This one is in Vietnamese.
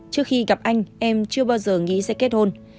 trước khi gặp anh em chưa bao giờ nghĩ sẽ kết hôn